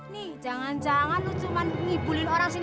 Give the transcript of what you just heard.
nih jangan jangan lo cuma ngibulin orang sini